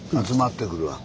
集まってくる。